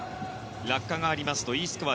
落下がありますとＥスコア